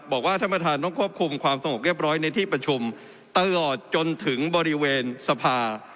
บอกว่าท่านประธานต้องควบคุมความสงบเรียบร้อยในที่ประชุมตลอดจนถึงบริเวณสภา